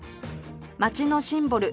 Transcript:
街のシンボル